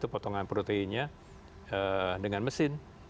potongan proteinnya dengan mesin